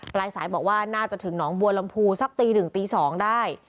ปลายสายบอกว่าน่าจะถึงหนองบัวลำพูสักตีหนึ่งตี๒ได้